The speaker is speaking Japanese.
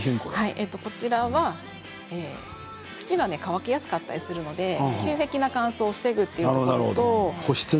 こちらは土が乾きやすかったりするので急激な乾燥を防ぐということと。